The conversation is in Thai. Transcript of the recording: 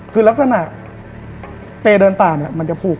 คือลักษณะเปรย์เดินป่าเนี่ยมันจะผูก